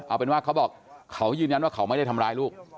เอาเป็นว่าเขาบอกเขายืนยันว่าเขาไม่ได้ทำร้ายลูก